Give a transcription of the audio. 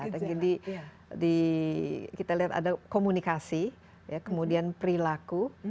jadi kita lihat ada komunikasi kemudian perilaku